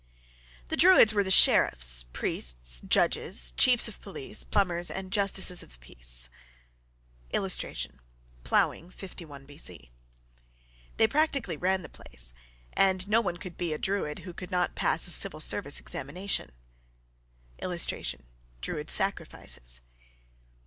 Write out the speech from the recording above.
The Druids were the sheriffs, priests, judges, chiefs of police, plumbers, and justices of the peace. [Illustration: PLOUGHING 51 B.C.] They practically ran the place, and no one could be a Druid who could not pass a civil service examination. [Illustration: DRUID SACRIFICES.